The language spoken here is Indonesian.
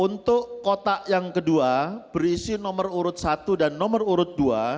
untuk kotak yang kedua berisi nomor urut satu dan nomor urut dua